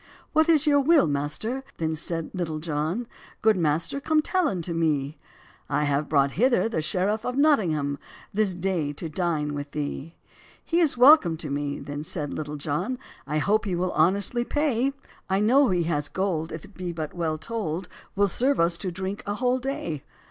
"What is your will, master?" then said Little John, "Good master come tell unto me;" "I have brought hither the sheriff of Nottingham This day to dine with thee." "He is welcome to me," then said Little John, "I hope he will honestly pay; I know he has gold, if it be but well told, Will serve us to drink a whole day."